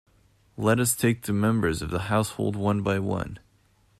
Let us take the members of the household one by one.